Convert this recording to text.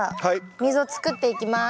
溝作っていきます。